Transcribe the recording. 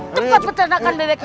tempat pertanakan bebek ini